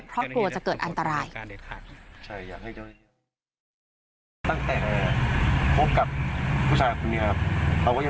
เพราะกลัวจะเกิดอันตราย